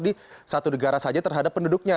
di satu negara saja terhadap penduduknya